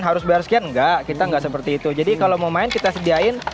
harus bersegian nggak kita nggak seperti itu jadi kalau mau main kita sediakan